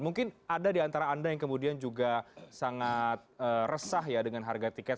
mungkin ada di antara anda yang kemudian juga sangat resah ya dengan harga tiket